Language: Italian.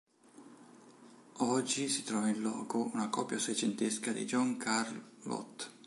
Oggi si trova in loco una copia seicentesca di Johann Carl Loth.